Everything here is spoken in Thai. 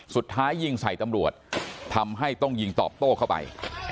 สุดท้ายยิงใส่ตำรวจทำให้ต้องยิงตอบโต้เข้าไป